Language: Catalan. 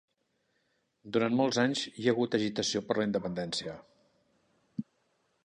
Durant molts anys hi ha hagut agitació per a la independència.